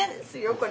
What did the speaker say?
これ。